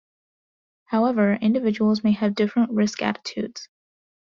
However, individuals may have different risk attitudes.